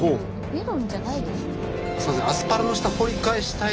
メロンじゃないでしょ？